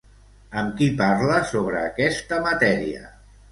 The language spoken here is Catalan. Amb qui parla sobre aquesta matèria?